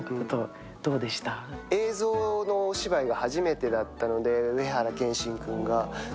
映像のお芝居が初めてだったので、上原剣心君が。